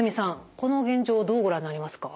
この現状をどうご覧になりますか？